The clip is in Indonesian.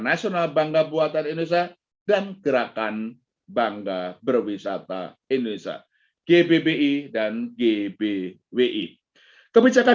nasional bangga buatan indonesia dan gerakan bangga berwisata indonesia gbbi dan gbwi kebijakan